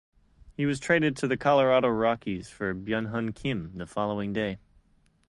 He was traded to the Colorado Rockies for Byung-hyun Kim the following day.